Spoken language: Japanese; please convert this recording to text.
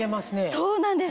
そうなんです。